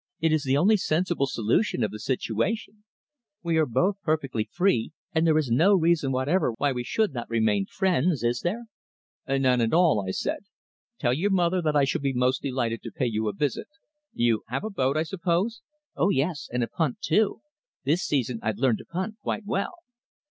"It is the only sensible solution of the situation. We are both perfectly free, and there is no reason whatever why we should not remain friends is there?" "None at all," I said. "Tell your mother that I shall be most delighted to pay you a visit. You have a boat, I suppose?" "Oh, yes. And a punt, too. This season I've learned to punt quite well."